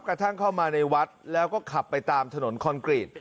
กระทั่งเข้ามาในวัดแล้วก็ขับไปตามถนนคอนกรีต